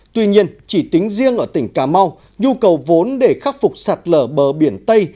tuy nhiên chỉ tính riêng ở tỉnh cà mau nhu cầu vốn để khắc phục sạt lở bờ biển tây